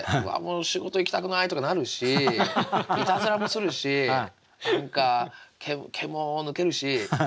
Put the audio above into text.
仕事行きたくないとかなるしいたずらもするし何か毛も抜けるし厄介なんですよ。